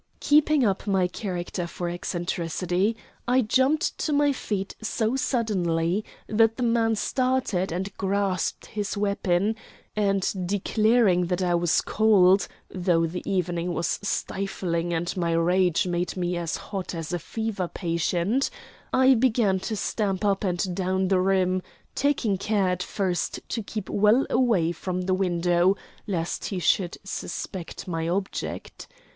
Keeping up my character for eccentricity, I jumped to my feet so suddenly that the man started and grasped his weapon, and, declaring that I was cold though the evening was stifling, and my rage made me as hot as a fever patient I began to stamp up and down the room, taking care at first to keep well away from the window, lest he should suspect my object.